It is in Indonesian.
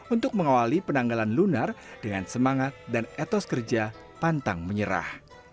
untuk mengawali penanggalan lunar dengan semangat dan etos kerja pantang menyerah